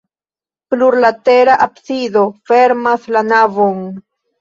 Plurlatera absido fermas la navon.